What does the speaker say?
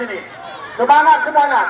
ini semangat semoga